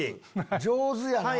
上手やな。